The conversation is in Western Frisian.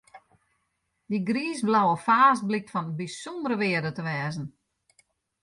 Dy griisblauwe faas blykt fan bysûndere wearde te wêze.